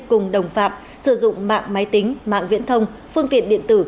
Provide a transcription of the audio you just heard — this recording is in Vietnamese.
cùng đồng phạm sử dụng mạng máy tính mạng viễn thông phương tiện điện tử